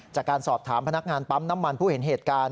จากการสอบถามพนักงานปั๊มน้ำมันผู้เห็นเหตุการณ์